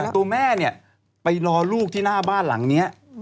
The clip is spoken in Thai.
ตัวแม่เนี่ยไปรอลูกที่หน้าบ้านหลังนี้